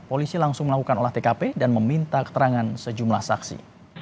polisi langsung melakukan olah tkp dan meminta keterangan sejumlah saksi